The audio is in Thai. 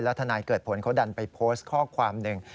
ทนายเกิดผลเขาดันไปโพสต์ข้อความหนึ่ง